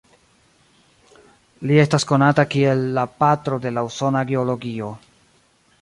Li estas konata kiel la 'patro de la usona geologio'.